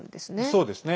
そうですね。